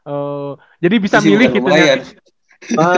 oh jadi bisa milih gitu ya